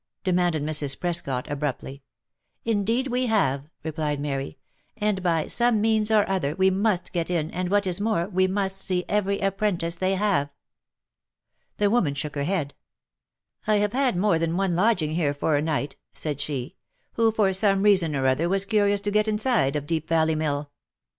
demanded Mrs. Prescot, abruptly. " Indeed we have," replied Mary, " and, by some means or other, we must get in, and, what is more, we must see every apprentice they have." The woman shook her head ." I have had more than one lodging here for a night," said she, " who for some reason or other was curious to get inside of Deep Valley Mill.